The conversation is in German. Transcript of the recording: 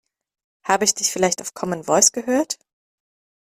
Habe ich dich vielleicht auf Common Voice gehört?